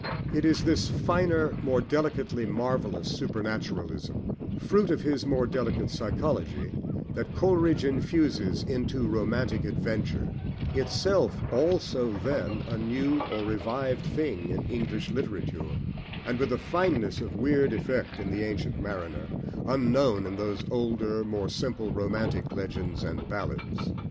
It is this finer, more delicately marvellous supernaturalism, fruit of his more delicate psychology, that Coleridge infuses into romantic adventure, itself also then a new or revived thing in English literature; and with a fineness of weird effect in The Ancient Mariner, unknown in those older, more simple, romantic legends and ballads.